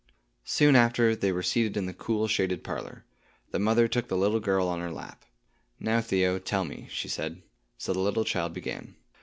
Soon after, they were seated in the cool shaded parlor. The mother took the little girl on her lap. "Now, Theo, tell me," she said. So the little child began.